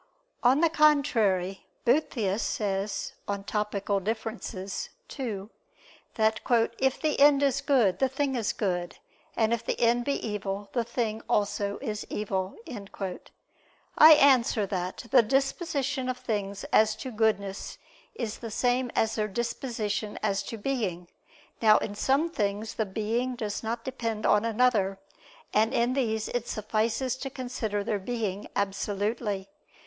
On the contrary, Boethius says (De Differ. Topic. ii) that "if the end is good, the thing is good, and if the end be evil, the thing also is evil." I answer that, The disposition of things as to goodness is the same as their disposition as to being. Now in some things the being does not depend on another, and in these it suffices to consider their being absolutely.